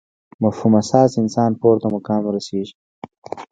مفهوم اساس انسانان پورته مقام ورسېږي.